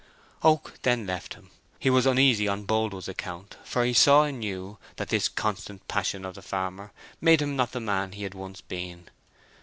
Oak then left him. He was uneasy on Boldwood's account, for he saw anew that this constant passion of the farmer made him not the man he once had been.